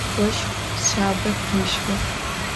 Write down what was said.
Voşx şsabe khêşxı.